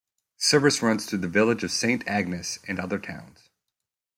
Service runs through the village of Saint Agnes and other towns.